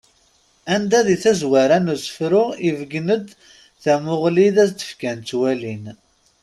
Anda di tazwara n usefru ibeggen-d tamuɣli i d as-fkan twalin.